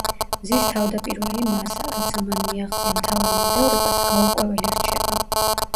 მზის თავდაპირველი მასა, როცა მან მიაღწია მთავარ მიმდევრობას, გაურკვეველი რჩება.